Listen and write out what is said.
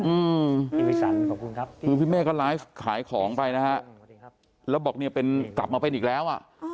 อืมคือพี่เมฆก็ไลฟ์ขายของไปนะฮะแล้วบอกเนี่ยเป็นกลับมาเป็นอีกแล้วอ่ะ